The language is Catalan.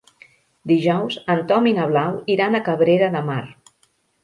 Dijous en Tom i na Blau iran a Cabrera de Mar.